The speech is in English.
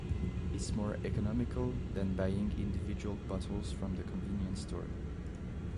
It's more economical than buying individual bottles from the convenience store.